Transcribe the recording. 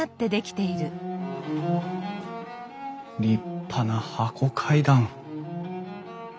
立派な箱階段！